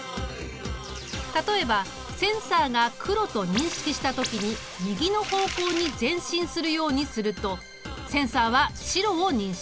例えばセンサーが黒と認識した時に右の方向に前進するようにするとセンサーは白を認識。